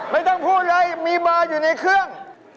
ไม่ต้องพูดเลยมีบาร์อยู่ในเครื่อง